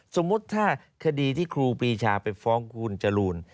สมมุติถ้าคดีที่ครูปีชาไปฟ้องคุณจรูน